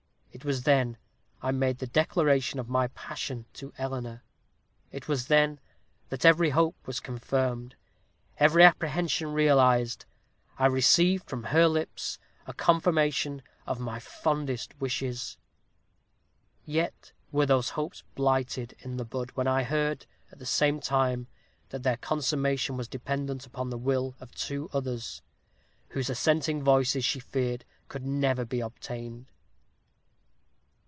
It was then I made the declaration of my passion to Eleanor; it was then that every hope was confirmed, every apprehension realized. I received from her lips a confirmation of my fondest wishes; yet were those hopes blighted in the bud, when I heard, at the same time, that their consummation was dependent on the will of two others, whose assenting voices, she feared, could never be obtained.